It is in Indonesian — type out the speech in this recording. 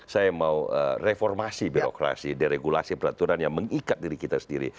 saya mau reformasi birokrasi deregulasi peraturan yang mengikat diri kita sendiri